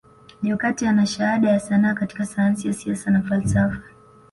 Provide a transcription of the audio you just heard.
Jokate ana shahada ya sanaa katika sayansi ya Siasa na falsafa